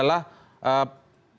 disana ada beberapa tanggung jawabannya